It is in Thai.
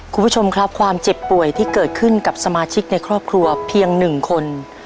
คุณผู้ชมครับความเจ็บป่วยที่เกิดขึ้นกับสมาชิกในครอบครัวเพียงหนึ่งคน